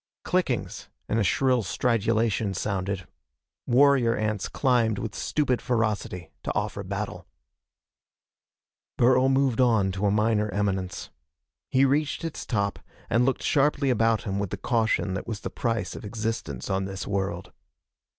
Clickings and a shrill stridulation sounded. Warrior ants climbed with stupid ferocity to offer battle. Burl moved on to a minor eminence. He reached its top and looked sharply about him with the caution that was the price of existence on this world.